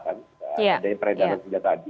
ada yang peredaran sudah tadi